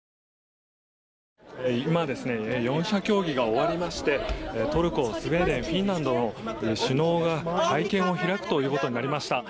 今、４者協議が終わりましてトルコ、スウェーデンフィンランドの首脳が会見を開くということになりました。